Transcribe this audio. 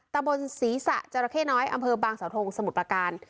ตะบนศรีษะจราเข้น้อยอำเภอบางสาวทงสมุทรประการ